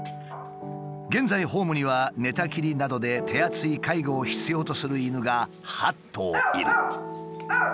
現在ホームには寝たきりなどで手厚い介護を必要とする犬が８頭いる。